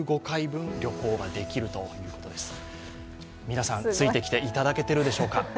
皆さん、ついてきていただけてるでしょうか。